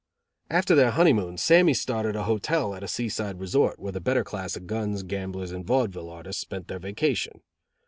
After their honeymoon Sammy started a hotel at a sea side resort, where the better class of guns, gamblers and vaudeville artists spent their vacation.